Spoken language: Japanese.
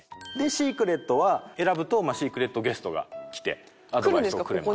シークレットは選ぶとシークレットゲストが来てアドバイスをくれます。